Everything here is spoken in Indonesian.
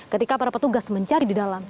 ketika para petugas mencari di dalam